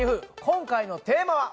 今回のテーマは？